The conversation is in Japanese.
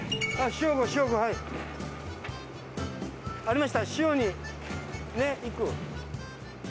ありました塩にね行く。